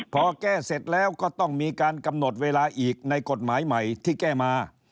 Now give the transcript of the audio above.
พอแก้เสร็จแล้วก็ต้องมีการกำหนดเวลาอีกในกฎหมายใหม่ที่แก้มา